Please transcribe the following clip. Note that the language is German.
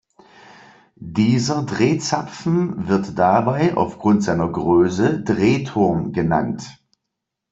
Dieser Drehzapfen wird dabei aufgrund seiner Größe "Drehturm" genannt.